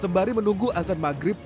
sembari menunggu azan maghrib